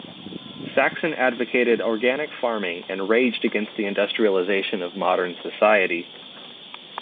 Saxon advocated organic farming and raged against the industrialization of modern society.